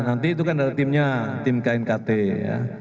nanti itu kan ada timnya tim knkt ya